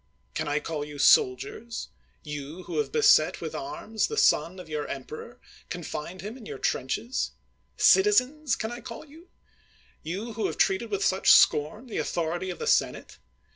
Can I call you soldiers T' — ^you who have beset with arms the son of your emperor, con fined him in your trenches? '^Citizenf " can I call you? — you who have treated with such scorn the authority of the senate